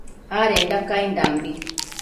adenda caindambi